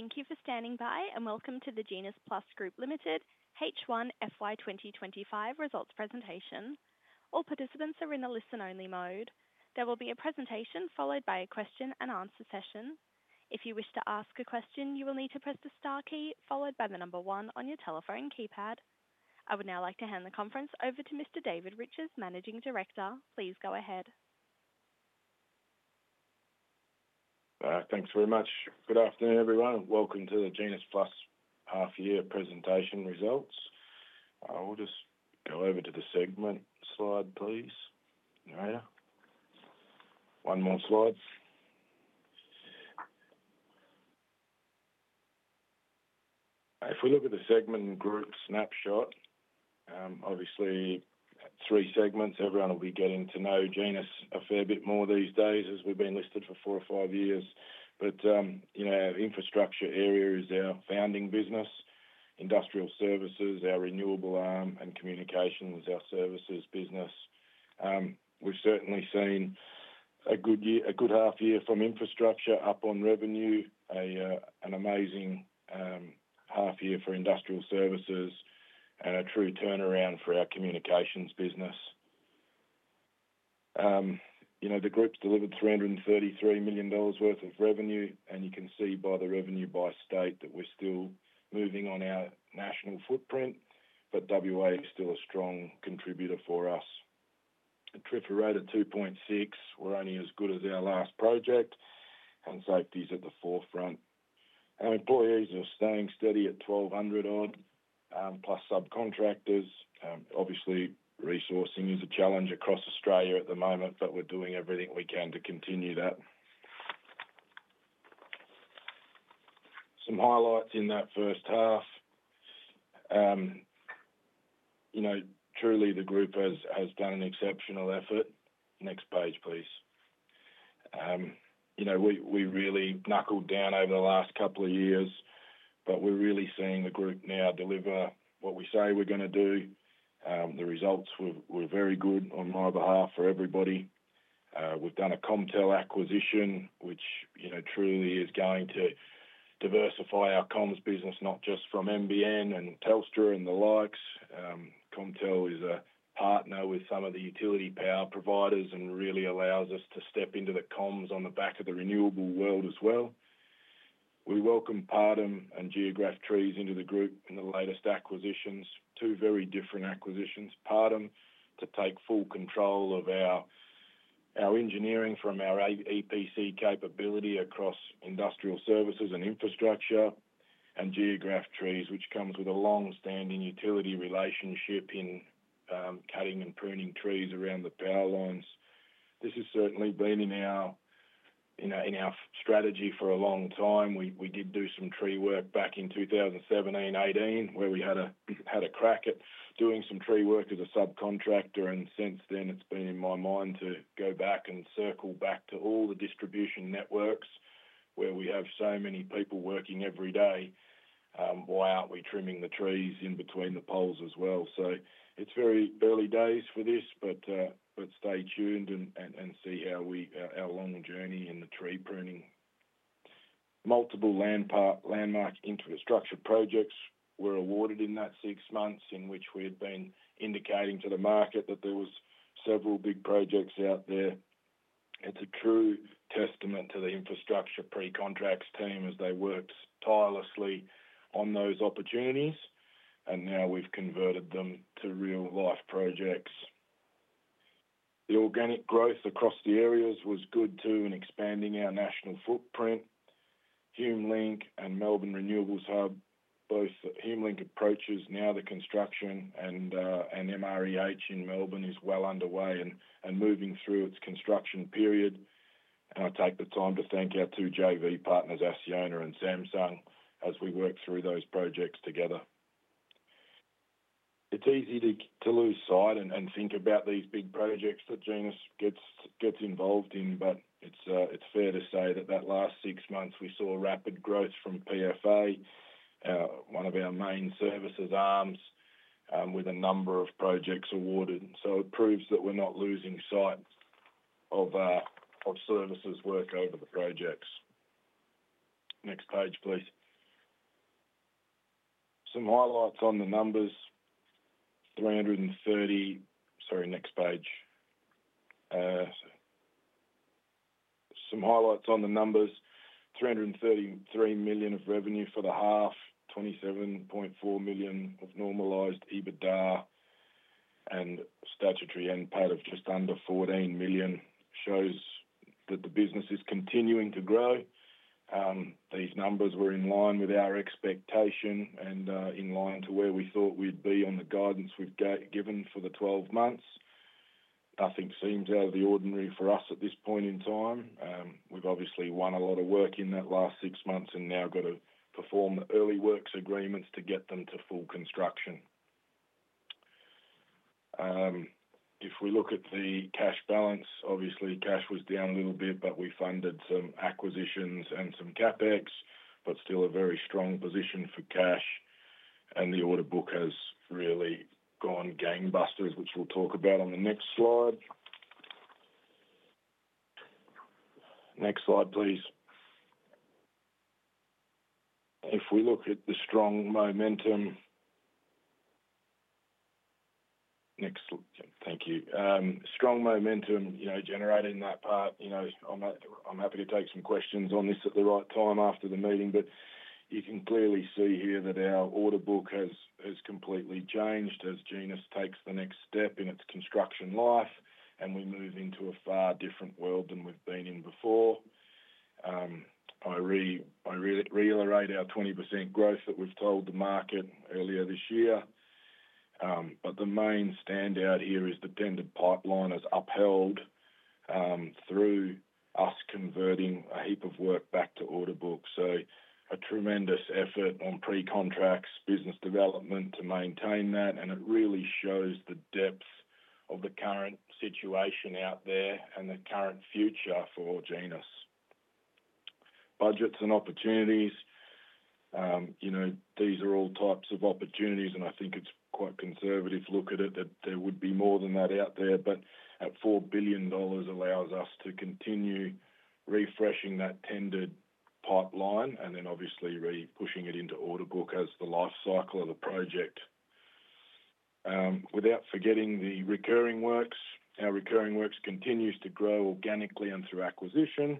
Thank you for standing by, and welcome to the GenusPlus Group Limited H1FY 2025 results presentation. All participants are in the listen-only mode. There will be a presentation followed by a question-and-answer session. If you wish to ask a question, you will need to press the star key followed by the number one on your telephone keypad. I would now like to hand the conference over to Mr. David Riches, Managing Director. Please go ahead. Thanks very much. Good afternoon, everyone. Welcome to the GenusPlus half-year presentation results. We'll just go over to the segment slide, please. One more slide. If we look at the segment group snapshot, obviously three segments. Everyone will be getting to know Genus a fair bit more these days as we've been listed for four or five years. But our infrastructure area is our founding business, industrial services, our renewable arm, and communications is our services business. We've certainly seen a good half-year from infrastructure up on revenue, an amazing half-year for industrial services, and a true turnaround for our communications business. The group's delivered 333 million dollars worth of revenue, and you can see by the revenue by state that we're still moving on our national footprint, but WA is still a strong contributor for us. TRIFR rate at 2.6. We're only as good as our last project, and safety's at the forefront. Employees are staying steady at 1,200-odd, plus subcontractors. Obviously, resourcing is a challenge across Australia at the moment, but we're doing everything we can to continue that. Some highlights in that first half. Truly, the group has done an exceptional effort. Next page, please. We really knuckled down over the last couple of years, but we're really seeing the group now deliver what we say we're going to do. The results were very good on my behalf for everybody. We've done a Comtel acquisition, which truly is going to diversify our comms business, not just from NBN and Telstra and the likes. Comtel is a partner with some of the utility power providers and really allows us to step into the comms on the back of the renewable world as well. We welcome Partum and Geographe Trees into the group in the latest acquisitions, two very different acquisitions. Partum to take full control of our engineering from our EPC capability across industrial services and infrastructure, and Geographe Trees, which comes with a long-standing utility relationship in cutting and pruning trees around the power lines. This has certainly been in our strategy for a long time. We did do some tree work back in 2017, 2018, where we had a crack at doing some tree work as a subcontractor, and since then, it's been in my mind to go back and circle back to all the distribution networks where we have so many people working every day while we're trimming the trees in between the poles as well. So it's very early days for this, but stay tuned and see how our long journey in the tree pruning. Multiple landmark infrastructure projects were awarded in that six months in which we had been indicating to the market that there were several big projects out there. It's a true testament to the infrastructure pre-contracts team as they worked tirelessly on those opportunities, and now we've converted them to real-life projects. The organic growth across the areas was good too, and expanding our national footprint. HumeLink and Melbourne Renewables Hub, both HumeLink approaches, now the construction, and MREH in Melbourne is well underway and moving through its construction period. I take the time to thank our two JV partners, Acciona and Samsung, as we work through those projects together. It's easy to lose sight and think about these big projects that Genus gets involved in, but it's fair to say that last six months we saw rapid growth from PFA, one of our main services arms, with a number of projects awarded, so it proves that we're not losing sight of services work over the projects. Next page, please. Some highlights on the numbers: 333 million of revenue for the half, 27.4 million of normalized EBITDA, and statutory NPAT of just under 14 million shows that the business is continuing to grow. These numbers were in line with our expectation and in line to where we thought we'd be on the guidance we've given for the 12 months. Nothing seems out of the ordinary for us at this point in time. We've obviously won a lot of work in that last six months and now got to perform the early works agreements to get them to full construction. If we look at the cash balance, obviously cash was down a little bit, but we funded some acquisitions and some CapEx, but still a very strong position for cash, and the order book has really gone gangbusters, which we'll talk about on the next slide. Next slide, please. If we look at the strong momentum. Next slide. Thank you. Strong momentum generating that part. I'm happy to take some questions on this at the right time after the meeting, but you can clearly see here that our order book has completely changed as Genus takes the next step in its construction life, and we move into a far different world than we've been in before. I reiterate our 20% growth that we've told the market earlier this year, but the main standout here is the tender pipeline has upheld through us converting a heap of work back to order book. So a tremendous effort on pre-contracts business development to maintain that, and it really shows the depth of the current situation out there and the current future for Genus. Budgets and opportunities. These are all types of opportunities, and I think it's quite conservative look at it that there would be more than that out there, but at 4 billion dollars allows us to continue refreshing that tender pipeline and then obviously pushing it into order book as the life cycle of the project. Without forgetting the recurring works, our recurring works continues to grow organically and through acquisition,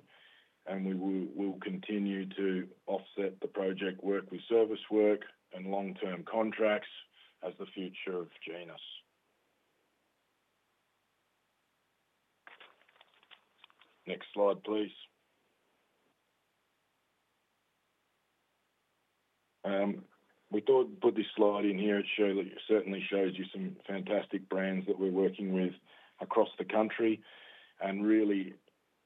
and we will continue to offset the project work with service work and long-term contracts as the future of Genus. Next slide, please. We thought we'd put this slide in here. It certainly shows you some fantastic brands that we're working with across the country and really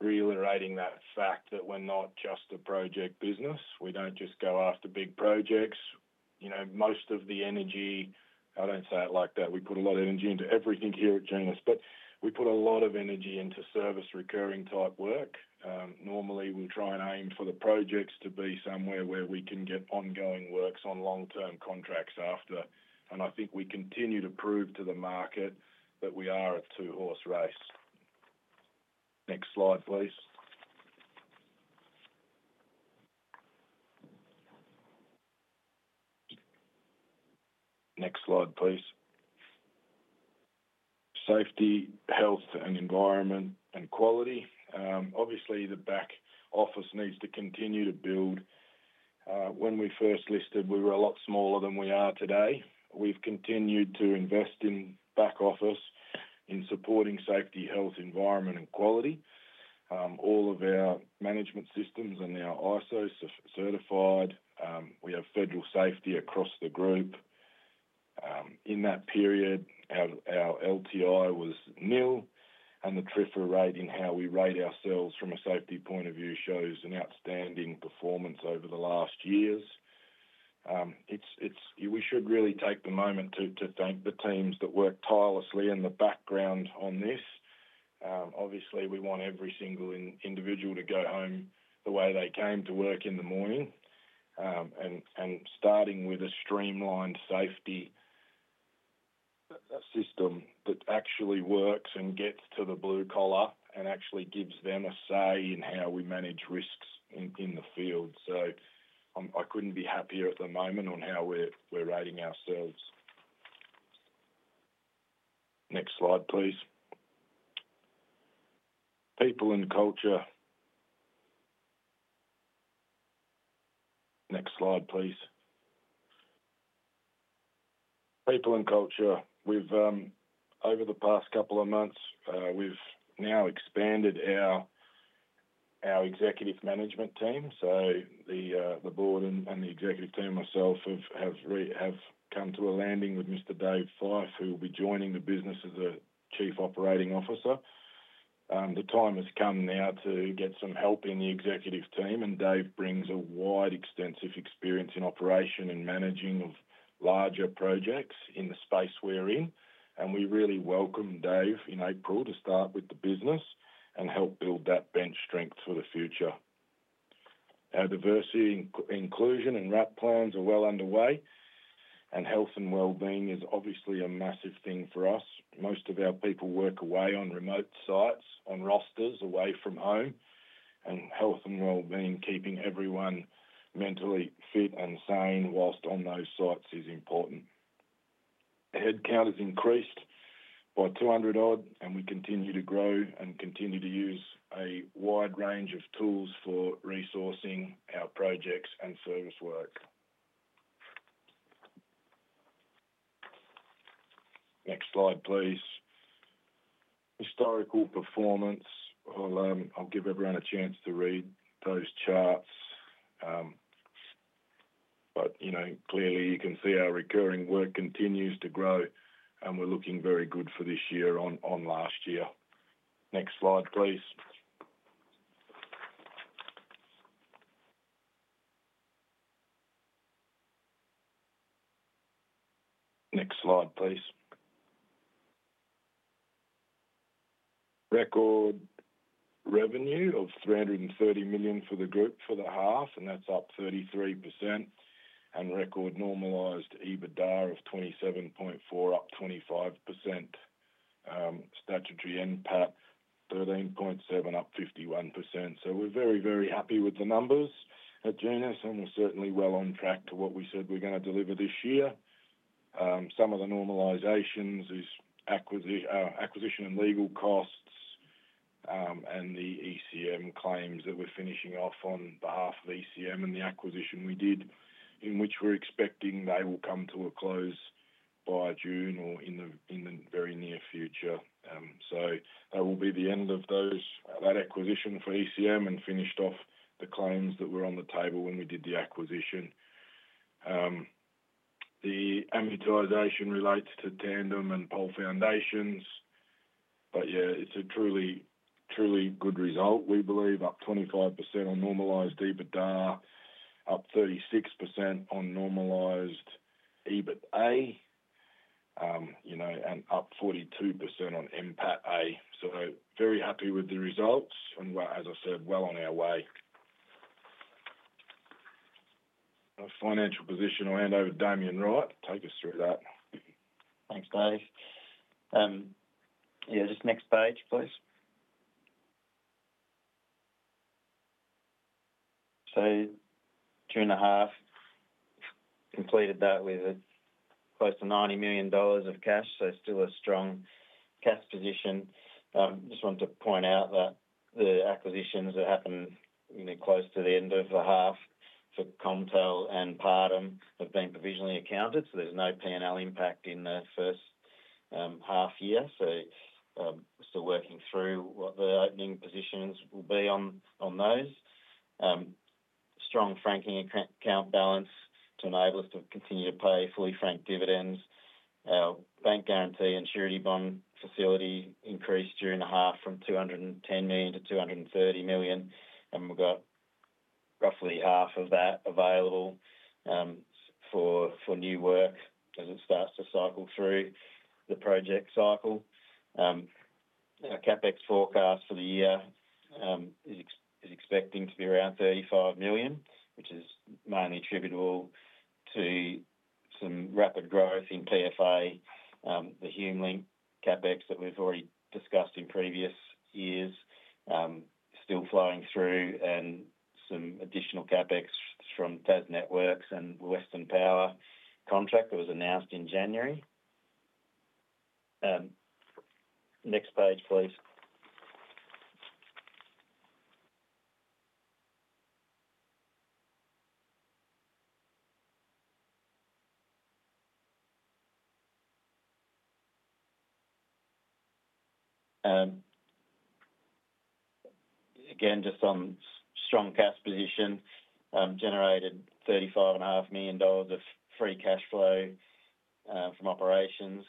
reiterating that fact that we're not just a project business. We don't just go after big projects. Most of the energy I don't say it like that. We put a lot of energy into everything here at Genus, but we put a lot of energy into service recurring type work. Normally, we'll try and aim for the projects to be somewhere where we can get ongoing works on long-term contracts after, and I think we continue to prove to the market that we are a two-horse race. Next slide, please. Next slide, please. Safety, Health, and Environment, and Quality. Obviously, the back office needs to continue to build. When we first listed, we were a lot smaller than we are today. We've continued to invest in back office in supporting safety, health, environment, and quality. All of our management systems and our ISO certified. We have federal safety across the group. In that period, our LTI was nil, and the TRIFR rate in how we rate ourselves from a safety point of view shows an outstanding performance over the last years. We should really take the moment to thank the teams that worked tirelessly in the background on this. Obviously, we want every single individual to go home the way they came to work in the morning, and starting with a streamlined safety system that actually works and gets to the blue collar and actually gives them a say in how we manage risks in the field. So I couldn't be happier at the moment on how we're rating ourselves. Next slide, please. People and Culture. Next slide, please. People and Culture. Over the past couple of months, we've now expanded our executive management team. So the board and the executive team and myself have come to a landing with Mr. Dave Fyfe, who will be joining the business as a Chief Operating Officer. The time has come now to get some help in the executive team, and Dave brings a wide extensive experience in operation and managing of larger projects in the space we're in, and we really welcome Dave in April to start with the business and help build that bench strength for the future. Our diversity, inclusion, and RAP plans are well underway, and health and wellbeing is obviously a massive thing for us. Most of our people work away on remote sites, on rosters, away from home, and health and wellbeing, keeping everyone mentally fit and sane whilst on those sites is important. Headcount has increased by 200 odd, and we continue to grow and continue to use a wide range of tools for resourcing our projects and service work. Next slide, please. Historical performance. I'll give everyone a chance to read those charts. But clearly, you can see our recurring work continues to grow, and we're looking very good for this year on last year. Next slide, please. Next slide, please. Record revenue of 330 million for the group for the half, and that's up 33%, and record normalized EBITDA of 27.4 million, up 25%, statutory NPAT 13.7 million, up 51%. So we're very, very happy with the numbers at Genus, and we're certainly well on track to what we said we're going to deliver this year. Some of the normalizations is acquisition and legal costs and the ECM claims that we're finishing off on behalf of ECM and the acquisition we did, in which we're expecting they will come to a close by June or in the very near future. So that will be the end of that acquisition for ECM and finished off the claims that were on the table when we did the acquisition. The amortization relates to Tandem and Pole Foundations, but yeah, it's a truly good result, we believe. Up 25% on normalized EBITDA, up 36% on normalized EBITDA, and up 42% on NPATA. So very happy with the results and, as I said, well on our way. Financial position, I'll hand over to Damian Wright. Take us through that. Thanks, Dave. Yeah, just next page, please. So two and a half, completed that with close to 90 million dollars of cash, so still a strong cash position. Just want to point out that the acquisitions that happened close to the end of the half for Comtel and Partum have been provisionally accounted, so there's no P&L impact in the first half year. So still working through what the opening positions will be on those. Strong franking account balance to enable us to continue to pay fully franked dividends. Our bank guarantee and surety bond facility increased during the half from 210 million to 230 million, and we've got roughly half of that available for new work as it starts to cycle through the project cycle. Our CapEx forecast for the year is expecting to be around 35 million, which is mainly attributable to some rapid growth in PFA. The HumeLink CapEx that we've already discussed in previous years is still flowing through, and some additional CapEx from TasNetworks and Western Power contract that was announced in January. Next page, please. Again, just on strong cash position, generated 35.5 million dollars of free cash flow from operations,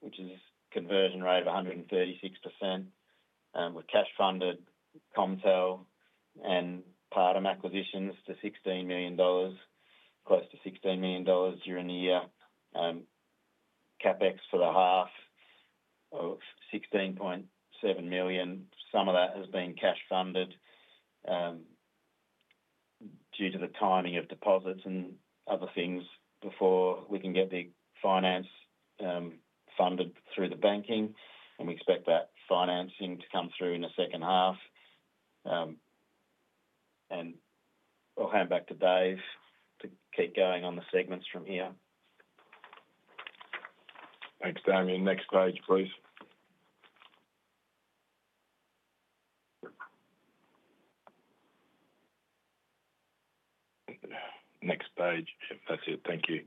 which is a conversion rate of 136%. We've cash funded Comtel and Partum acquisitions to 16 million dollars, close to 16 million dollars during the year. CapEx for the half of 16.7 million. Some of that has been cash funded due to the timing of deposits and other things before we can get the finance funded through the banking, and we expect that financing to come through in the second half, and I'll hand back to Dave to keep going on the segments from here. Thanks, Damian. Next page, please. Next page. That's it. Thank you,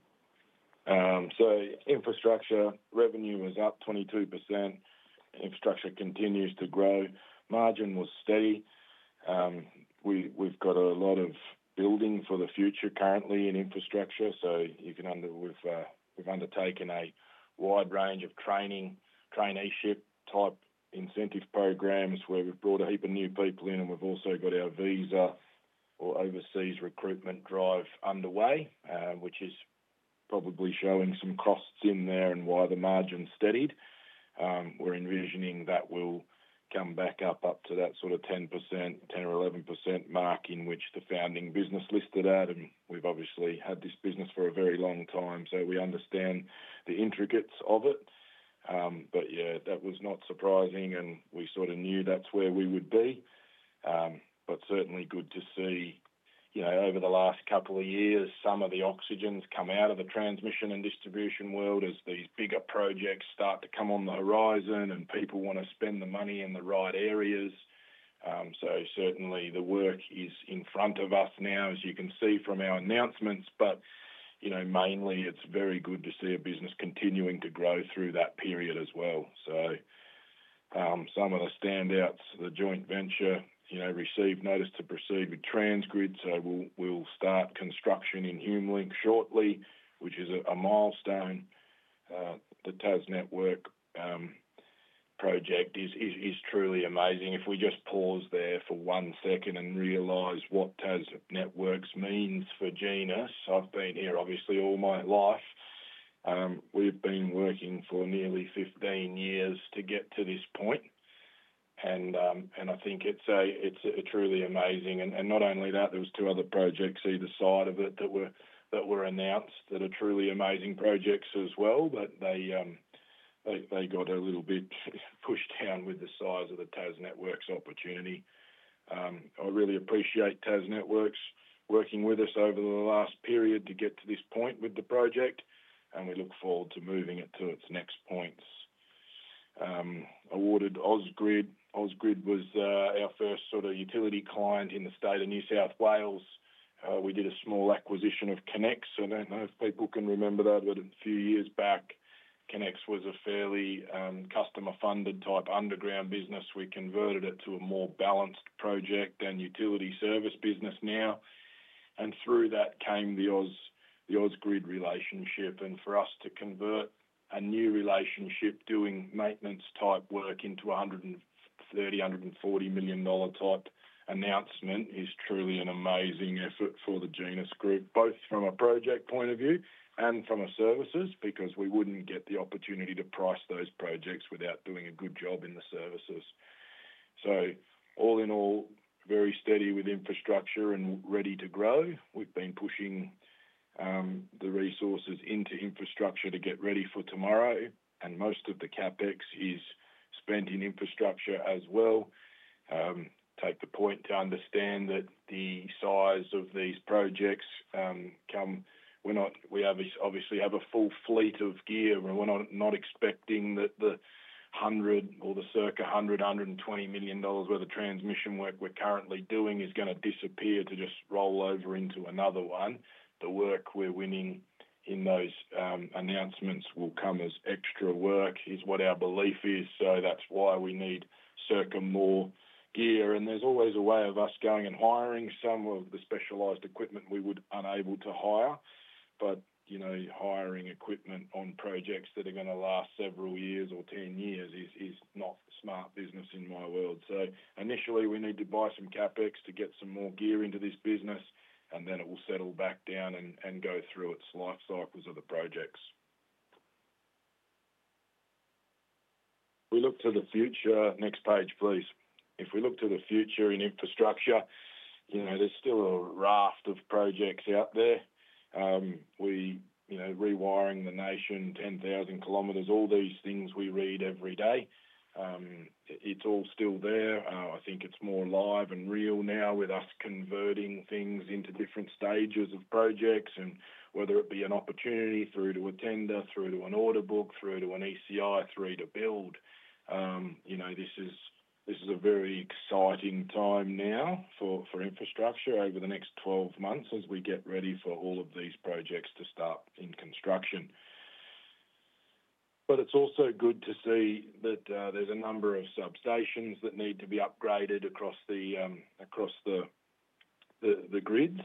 so infrastructure revenue was up 22%. Infrastructure continues to grow. Margin was steady. We've got a lot of building for the future currently in infrastructure, so we've undertaken a wide range of traineeship type incentive programs where we've brought a heap of new people in, and we've also got our visa or overseas recruitment drive underway, which is probably showing some costs in there and why the margin steadied. We're envisioning that will come back up to that sort of 10% or 11% mark in which the founding business listed out, and we've obviously had this business for a very long time, so we understand the intricacies of it, but yeah, that was not surprising, and we sort of knew that's where we would be. But certainly good to see over the last couple of years some of the oxygen's come out of the transmission and distribution world as these bigger projects start to come on the horizon and people want to spend the money in the right areas. So certainly the work is in front of us now, as you can see from our announcements, but mainly it's very good to see a business continuing to grow through that period as well. So some of the standouts, the joint venture received notice to proceed with Transgrid, so we'll start construction in HumeLink shortly, which is a milestone. The TasNetworks project is truly amazing. If we just pause there for one second and realize what TasNetworks means for Genus. I've been here obviously all my life. We've been working for nearly 15 years to get to this point, and I think it's a truly amazing, and not only that, there were two other projects either side of it that were announced that are truly amazing projects as well, but they got a little bit pushed down with the size of the TasNetworks opportunity. I really appreciate TasNetworks working with us over the last period to get to this point with the project, and we look forward to moving it to its next points. Awarded Ausgrid. Ausgrid was our first sort of utility client in the state of New South Wales. We did a small acquisition of Connects. I don't know if people can remember that, but a few years back, Connects was a fairly customer-funded type underground business. We converted it to a more balanced project and utility service business now, and through that came the Ausgrid relationship, and for us to convert a new relationship doing maintenance type work into an 130 million-140 million dollar type announcement is truly an amazing effort for the GenusPlus Group, both from a project point of view and from our services, because we wouldn't get the opportunity to price those projects without doing a good job in the services, so all in all, very steady with infrastructure and ready to grow. We've been pushing the resources into infrastructure to get ready for tomorrow, and most of the CapEx is spent in infrastructure as well. Take the point to understand that the size of these projects come, we obviously have a full fleet of gear, and we're not expecting that the 100 or the circa 100 million-120 million dollars worth of transmission work we're currently doing is going to disappear to just roll over into another one. The work we're winning in those announcements will come as extra work is what our belief is, so that's why we need circa more gear. And there's always a way of us going and hiring some of the specialized equipment we were unable to hire, but hiring equipment on projects that are going to last several years or 10 years is not smart business in my world. So initially, we need to buy some CapEx to get some more gear into this business, and then it will settle back down and go through its life cycles of the projects. We look to the future. Next page, please. If we look to the future in infrastructure, there's still a raft of projects out there. We're Rewiring the Nation 10,000 kilometers. All these things we read every day. It's all still there. I think it's more live and real now with us converting things into different stages of projects, and whether it be an opportunity through to a tender, through to an order book, through to an ECI, through to build. This is a very exciting time now for infrastructure over the next 12 months as we get ready for all of these projects to start in construction. But it's also good to see that there's a number of substations that need to be upgraded across the grids,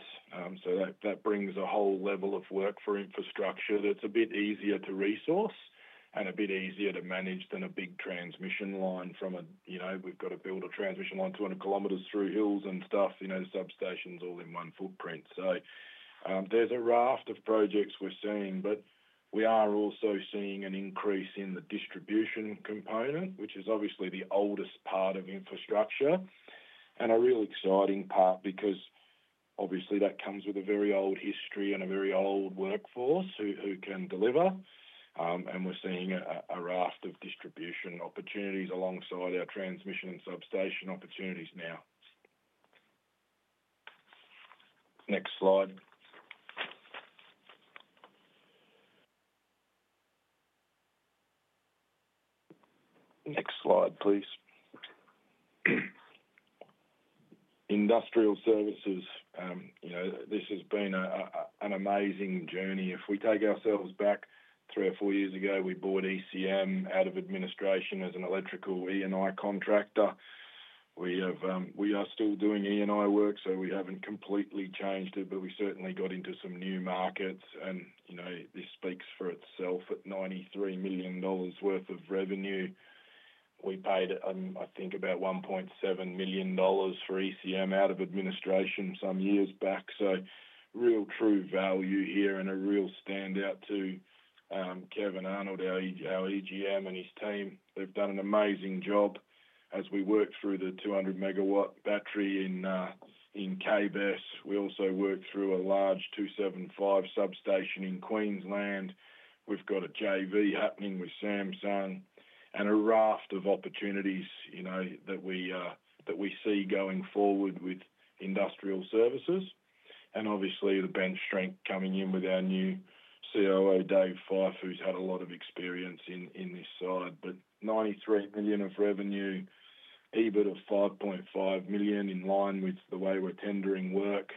so that brings a whole level of work for infrastructure that's a bit easier to resource and a bit easier to manage than a big transmission line from a—we've got to build a transmission line 200 kilometers through hills and stuff, substations all in one footprint. So there's a raft of projects we're seeing, but we are also seeing an increase in the distribution component, which is obviously the oldest part of infrastructure and a real exciting part because obviously that comes with a very old history and a very old workforce who can deliver. And we're seeing a raft of distribution opportunities alongside our transmission and substation opportunities now. Next slide. Next slide, please. Industrial services. This has been an amazing journey. If we take ourselves back three or four years ago, we bought ECM out of administration as an electrical E&I contractor. We are still doing E&I work, so we haven't completely changed it, but we certainly got into some new markets, and this speaks for itself at 93 million dollars worth of revenue. We paid, I think, about 1.7 million dollars for ECM out of administration some years back, so real true value here and a real standout to Kevin Arnold, our EGM, and his team. They've done an amazing job as we work through the 200 megawatt battery in KBESS. We also work through a large 275 substation in Queensland. We've got a JV happening with Samsung and a raft of opportunities that we see going forward with industrial services. Obviously, the bench strength coming in with our new COO, Dave Fyfe, who's had a lot of experience in this side. But 93 million of revenue, EBIT of 5.5 million in line with the way we're tendering work.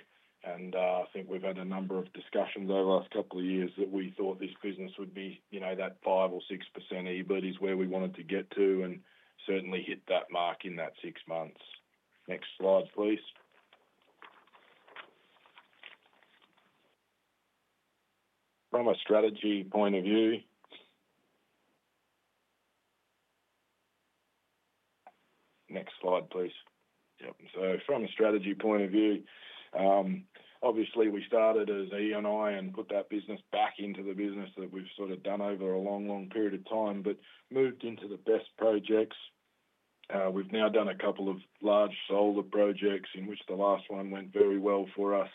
And I think we've had a number of discussions over the last couple of years that we thought this business would be that 5% or 6% EBIT is where we wanted to get to and certainly hit that mark in that six months. Next slide, please. From a strategy point of view. Next slide, please. Yep. So from a strategy point of view, obviously, we started as E&I and put that business back into the business that we've sort of done over a long, long period of time, but moved into the best projects. We've now done a couple of large solar projects in which the last one went very well for us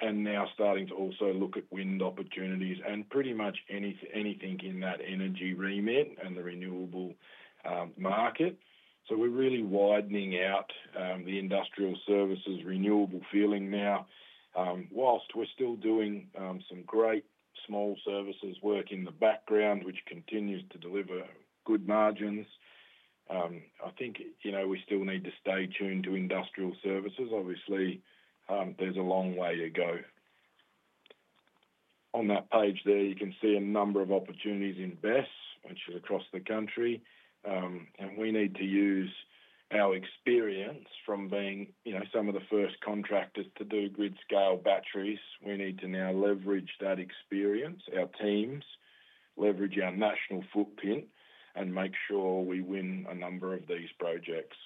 and now starting to also look at wind opportunities and pretty much anything in that energy remit and the renewable market. So we're really widening out the industrial services renewable feeling now. While we're still doing some great small services work in the background, which continues to deliver good margins, I think we still need to stay tuned to industrial services. Obviously, there's a long way to go. On that page there, you can see a number of opportunities in BESS, which is across the country. And we need to use our experience from being some of the first contractors to do grid-scale batteries. We need to now leverage that experience, our teams, leverage our national footprint, and make sure we win a number of these projects.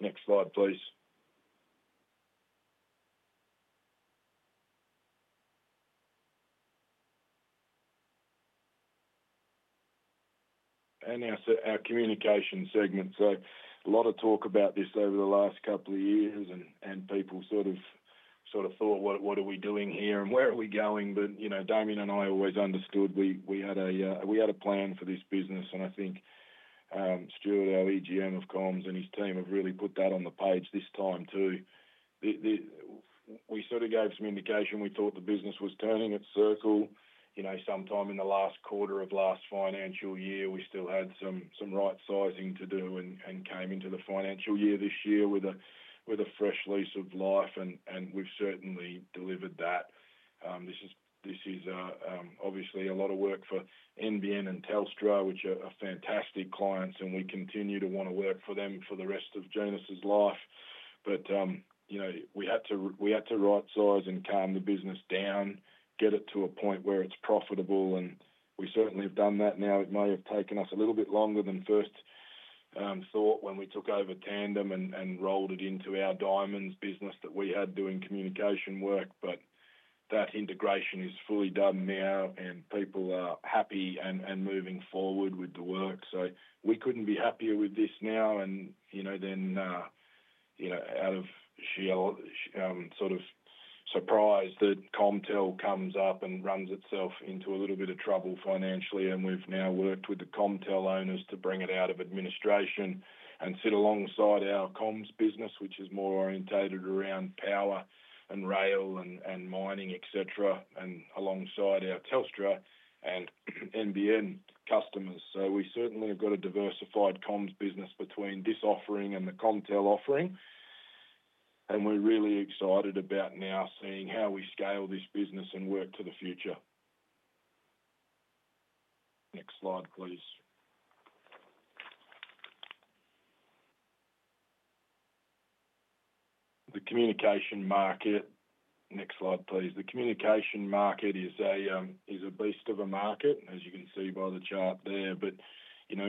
Next slide, please. And now to our communication segment. So a lot of talk about this over the last couple of years, and people sort of thought, "What are we doing here? And where are we going?" But Damian and I always understood we had a plan for this business, and I think Stuart, our EGM of Comms, and his team have really put that on the page this time too. We sort of gave some indication. We thought the business was turning its circle. Sometime in the last quarter of last financial year, we still had some right sizing to do and came into the financial year this year with a fresh lease of life, and we've certainly delivered that. This is obviously a lot of work for NBN and Telstra, which are fantastic clients, and we continue to want to work for them for the rest of Genus's life. But we had to right size and calm the business down, get it to a point where it's profitable, and we certainly have done that. Now, it may have taken us a little bit longer than first thought when we took over Tandem and rolled it into our Diamonds business that we had doing communication work, but that integration is fully done now, and people are happy and moving forward with the work. So we couldn't be happier with this now. And then out of sort of surprise, the Comtel comes up and runs itself into a little bit of trouble financially, and we've now worked with the Comtel owners to bring it out of administration and sit alongside our Comms business, which is more oriented around power and rail and mining, etc., and alongside our Telstra and NBN customers. So we certainly have got a diversified Comms business between this offering and the Comtel offering, and we're really excited about now seeing how we scale this business and work to the future. Next slide, please. The communication market. Next slide, please. The communication market is a beast of a market, as you can see by the chart there. But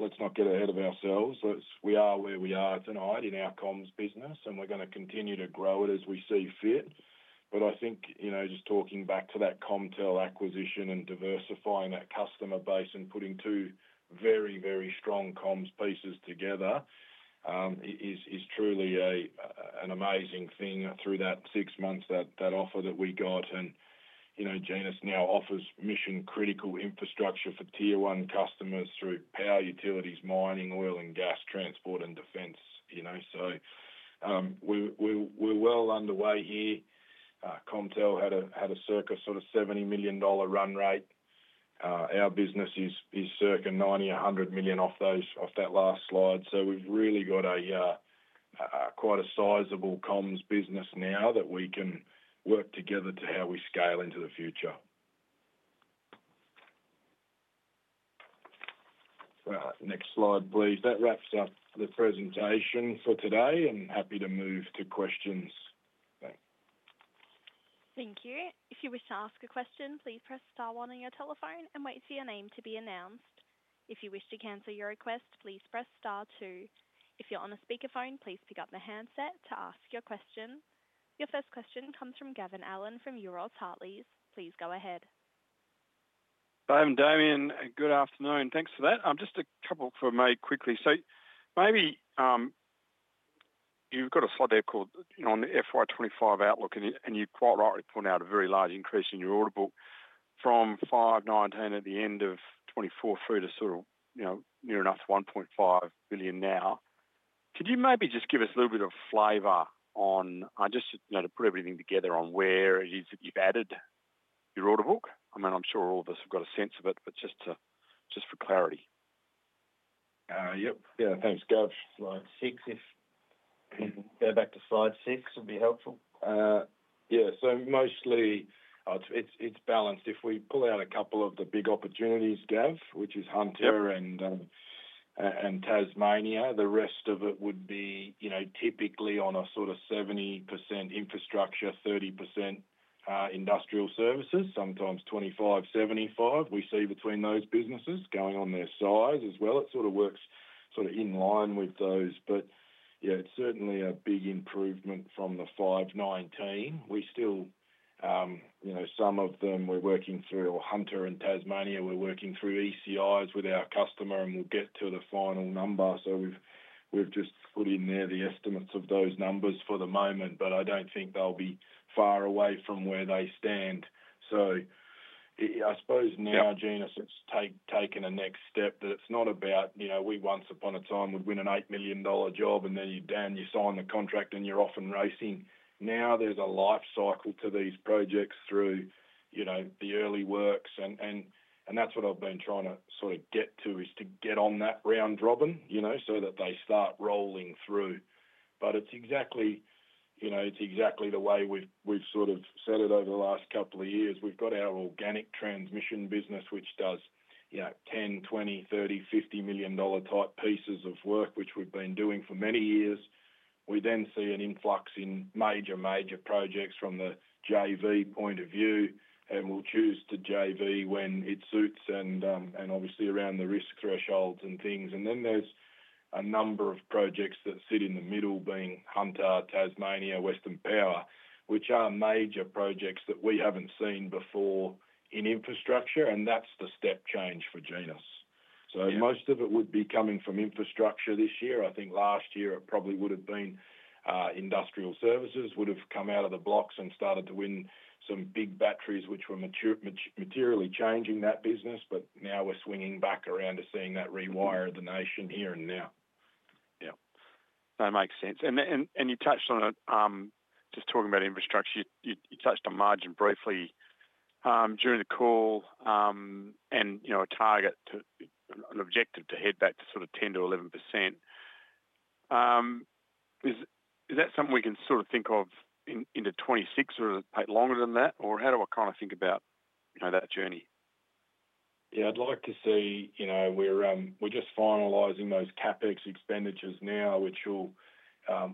let's not get ahead of ourselves. We are where we are tonight in our Comms business, and we're going to continue to grow it as we see fit. But I think just talking back to that Comtel acquisition and diversifying that customer base and putting two very, very strong Comms pieces together is truly an amazing thing through that six months that offer that we got. And GenusPlus now offers mission-critical infrastructure for Tier 1 customers through power, utilities, mining, oil and gas, transport, and defense. So we're well underway here. Comtel had a circa sort of 70 million dollar run rate. Our business is circa 90, 100 million off that last slide. So we've really got quite a sizable Comms business now that we can work together to how we scale into the future. Next slide, please. That wraps up the presentation for today, and happy to move to questions. Thank you. Thank you. If you wish to ask a question, please press star one on your telephone and wait for your name to be announced. If you wish to cancel your request, please press star two. If you're on a speakerphone, please pick up the handset to ask your question. Your first question comes from Gavin Allen from Euroz Hartleys. Please go ahead. Hi, I'm Gavin. Good afternoon. Thanks for that. Just a couple for me quickly. So maybe you've got a slide there called on the FY25 outlook, and you quite rightly point out a very large increase in your order book from 519 at the end of 2024 through to sort of near enough to 1.5 billion now. Could you maybe just give us a little bit of flavor on just to put everything together on where it is that you've added your order book? I mean, I'm sure all of us have got a sense of it, but just for clarity. Yep. Yeah. Thanks, Gav. Slide six, if we can go back to slide six, would be helpful. Yeah. So mostly it's balanced. If we pull out a couple of the big opportunities, Gav, which is Hunter and Tasmania, the rest of it would be typically on a sort of 70% infrastructure, 30% industrial services, sometimes 25%-75% we see between those businesses going on their size as well. It sort of works sort of in line with those, but yeah, it's certainly a big improvement from the 519. We still, some of them we're working through, for Hunter and Tasmania, we're working through ECIs with our customer, and we'll get to the final number, so we've just put in there the estimates of those numbers for the moment, but I don't think they'll be far away from where they stand. So I suppose now Genus has taken a next step that it's not about we once upon a time would win an 8 million dollar job, and then you're down, you sign the contract, and you're off and racing. Now there's a life cycle to these projects through the early works, and that's what I've been trying to sort of get to is to get on that round robin so that they start rolling through. But it's exactly the way we've sort of set it over the last couple of years. We've got our organic transmission business, which does 10, 20, 30, 50 million-dollar type pieces of work, which we've been doing for many years. We then see an influx in major, major projects from the JV point of view, and we'll choose to JV when it suits and obviously around the risk thresholds and things. And then there's a number of projects that sit in the middle being Hunter, Tasmania, Western Power, which are major projects that we haven't seen before in infrastructure, and that's the step change for Genus. So most of it would be coming from infrastructure this year. I think last year it probably would have been industrial services would have come out of the blocks and started to win some big batteries, which were materially changing that business, but now we're swinging back around to seeing that Rewiring the Nation here and now. Yeah. That makes sense. And you touched on it just talking about infrastructure. You touched on margin briefly during the call and a target, an objective to head back to sort of 10%-11%. Is that something we can sort of think of into 2026 or longer than that, or how do I kind of think about that journey? Yeah. I'd like to say we're just finalizing those CapEx expenditures now, which you'll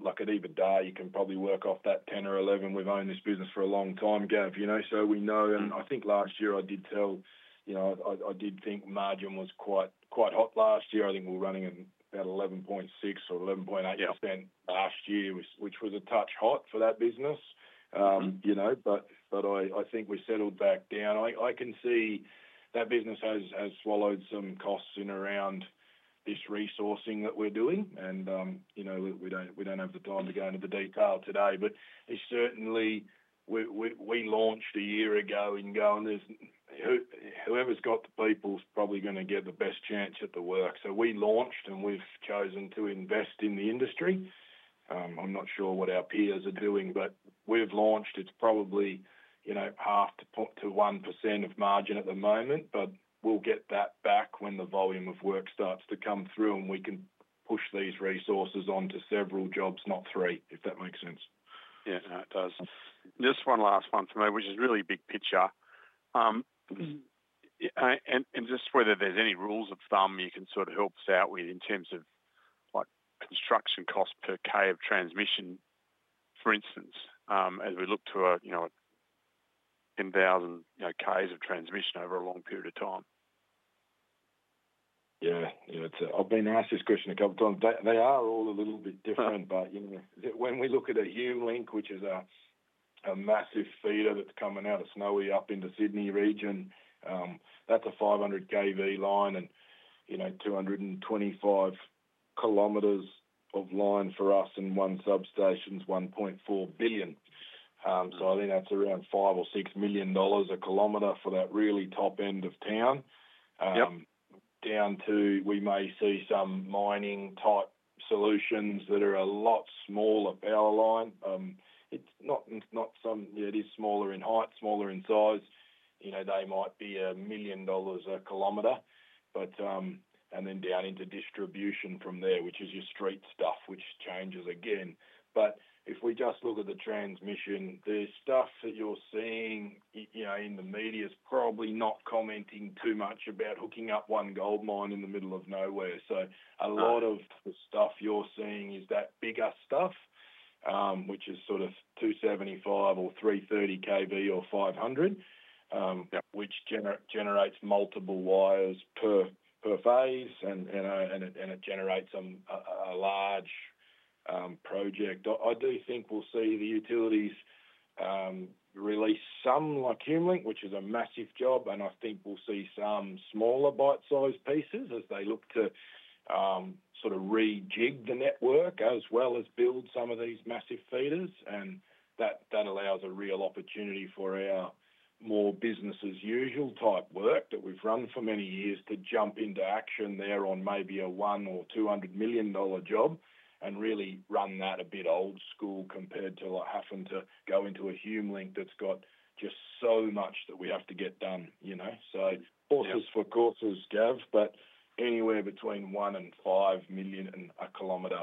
look at either way. You can probably work off that 10 or 11. We've owned this business for a long time, Gav, so we know. I think last year I did tell I did think margin was quite hot last year. I think we're running at about 11.6%-11.8% last year, which was a touch hot for that business. I think we settled back down. I can see that business has swallowed some costs in around this resourcing that we're doing, and we don't have the time to go into the detail today. But certainly, we launched a year ago and go, and whoever's got the people's probably going to get the best chance at the work. So we launched, and we've chosen to invest in the industry. I'm not sure what our peers are doing, but we've launched. It's probably 0.5%-1% of margin at the moment, but we'll get that back when the volume of work starts to come through, and we can push these resources onto several jobs, not three, if that makes sense. Yeah. No, it does. Just one last one for me, which is really big picture, and just whether there's any rules of thumb you can sort of help us out with in terms of construction cost per kV of transmission, for instance, as we look to 10,000 kV of transmission over a long period of time. Yeah. I've been asked this question a couple of times. They are all a little bit different, but when we look at a HumeLink, which is a massive feeder that's coming out of Snowy Hydro up into Sydney region, that's a 500 kV line and 225 kilometers of line for us and one substation, 1.4 billion. So I think that's around 5 million or 6 million dollars a kilometer for that really top end of town. Down to we may see some mining type solutions that are a lot smaller power line. It's not some it is smaller in height, smaller in size. They might be 1 million dollars a kilometer, and then down into distribution from there, which is your street stuff, which changes again. But if we just look at the transmission, the stuff that you're seeing in the media is probably not commenting too much about hooking up one gold mine in the middle of nowhere. So a lot of the stuff you're seeing is that bigger stuff, which is sort of 275 or 330 kV or 500, which generates multiple wires per phase, and it generates a large project. I do think we'll see the utilities release some like HumeLink, which is a massive job, and I think we'll see some smaller bite-sized pieces as they look to sort of rejig the network as well as build some of these massive feeders. That allows a real opportunity for our more business-as-usual type work that we've run for many years to jump into action there on maybe a 1 million or 200 million dollar job and really run that a bit old school compared to what happened to go into a HumeLink that's got just so much that we have to get done. Horses for courses, Gav, but anywhere between 1 million and 5 million a kilometer.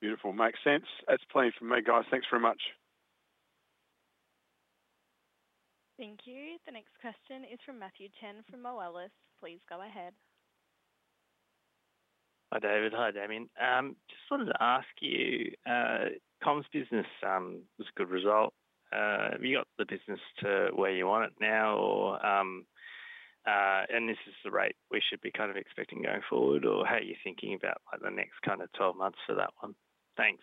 Beautiful. Makes sense. That's plenty for me, guys. Thanks very much. Thank you. The next question is from Matthew Chen from Moelis. Please go ahead. Hi, David. Hi, Damian. Just wanted to ask you, Comms business was a good result. Have you got the business to where you want it now? This is the rate we should be kind of expecting going forward, or how are you thinking about the next kind of 12 months for that one? Thanks.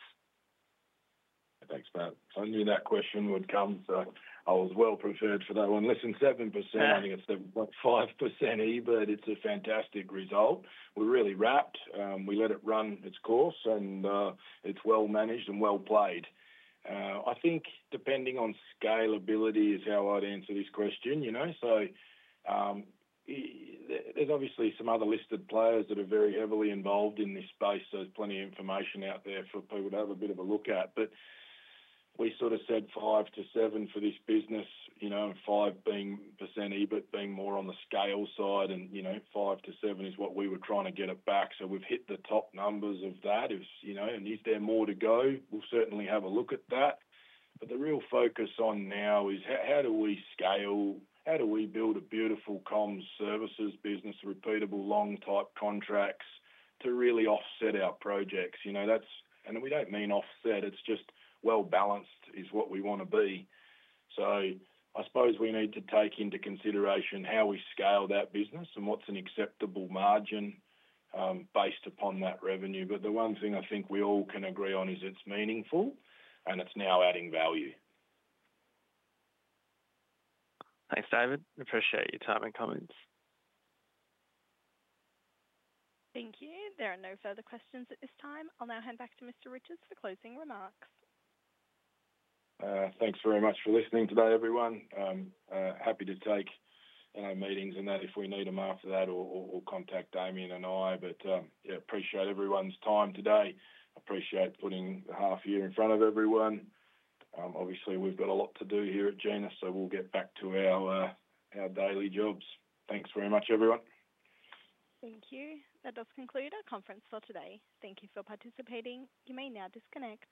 Thanks, Matt. I knew that question would come, so I was well prepared for that one. Less than 7%, I think it's 7.5%, but it's a fantastic result. We're really wrapped. We let it run its course, and it's well managed and well played. I think depending on scalability is how I'd answer this question. So there's obviously some other listed players that are very heavily involved in this space, so there's plenty of information out there for people to have a bit of a look at. But we sort of said 5%-7% for this business, five being percent EBIT, being more on the scale side, and 5%-7% is what we were trying to get it back. So we've hit the top numbers of that. And is there more to go? We'll certainly have a look at that. But the real focus on now is how do we scale? How do we build a beautiful Comms services business, repeatable long type contracts to really offset our projects? And we don't mean offset. It's just well balanced is what we want to be. So I suppose we need to take into consideration how we scale that business and what's an acceptable margin based upon that revenue. But the one thing I think we all can agree on is it's meaningful, and it's now adding value. Thanks, David. Appreciate your time and comments. Thank you. There are no further questions at this time. I'll now hand back to Mr. Riches for closing remarks. Thanks very much for listening today, everyone. Happy to take meetings and that if we need them after that or contact Damian and I. But yeah, appreciate everyone's time today. Appreciate putting the half year in front of everyone. Obviously, we've got a lot to do here at Genus, so we'll get back to our daily jobs. Thanks very much, everyone. Thank you. That does conclude our conference for today. Thank you for participating. You may now disconnect.